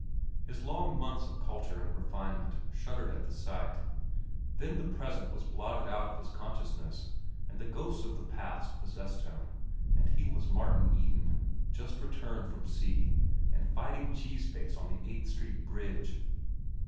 His long months of culture and refinement shuddered at the sight; then the present was blotted out of his consciousness and the ghosts of the past possessed him, and he was Martin Eden, just returned from sea and fighting Cheese Face on the Eighth Street Bridge.